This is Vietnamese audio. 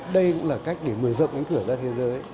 đây cũng là cách để mở rộng cánh cửa ra thế giới